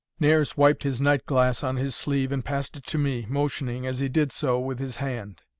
Nares wiped his night glass on his sleeve and passed it to me, motioning, as he did so, with his hand.